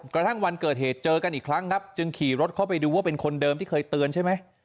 กระทั่งวันเกิดเหตุเจอกันอีกครั้งครับจึงขี่รถเข้าไปดูว่าเป็นคนเดิมที่เคยเตือนใช่ไหม